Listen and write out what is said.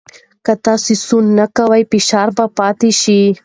که تاسو سونا نه کوئ، فشار به پاتې شي.